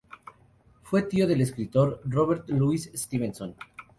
Fue tío del escritor Robert Louis Stevenson.